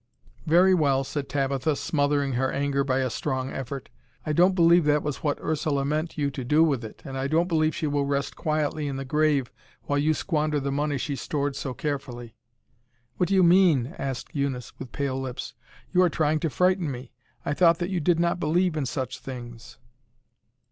"Very well," said Tabitha, smothering her anger by a strong effort; "I don't believe that was what Ursula meant you to do with it, and I don't believe she will rest quietly in the grave while you squander the money she stored so carefully." "What do you mean?" asked Eunice with pale lips. "You are trying to frighten me; I thought that you did not believe in such things."